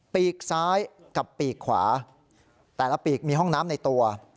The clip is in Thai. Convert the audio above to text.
ปีกซ้ายกับปีกขวาแต่ละปีกมีห้องน้ำในตัว